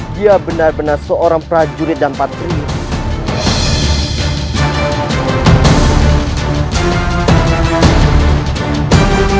dia benar benar seorang prajurit dan patrio